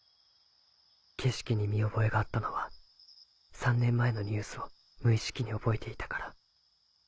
景色に見覚えがあったのは３年前のニュースを無意識に覚えていたから。